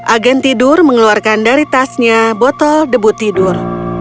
agen tidur mengeluarkan dari tasnya botol debu tidur